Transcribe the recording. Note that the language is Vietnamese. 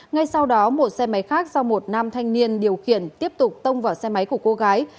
ngay sau đó một xe máy khác do một nam thanh niên điều khiển tiếp tục tông vào xe máy của cô gái